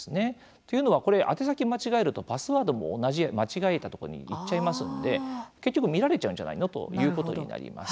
というのは宛先を間違えるとパスワードも同じ、間違えたところにいっちゃいますので結局、見られちゃうんじゃないのということになります。